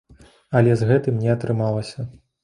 Але з гэтым не атрымалася.